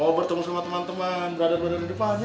mau bertemu sama teman teman brother brother di depan ya